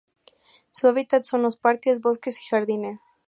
Su hábitat son los parques, bosques y jardines.